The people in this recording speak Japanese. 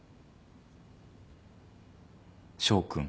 翔君。